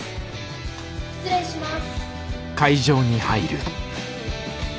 失礼します。